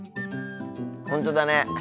本当だね。